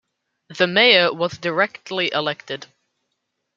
The mayor was directly elected.